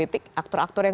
itu kamisan itu strivem